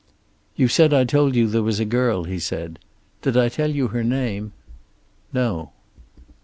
"You said I told you there was a girl," he said. "Did I tell you her name?" "No."